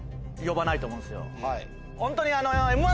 ホントに。